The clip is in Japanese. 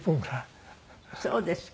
そうですか。